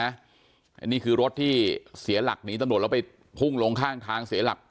อันนี้คือรถที่เสียหลักหนีตำรวจแล้วไปพุ่งลงข้างทางเสียหลัก